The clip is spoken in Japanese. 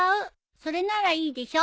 それならいいでしょ？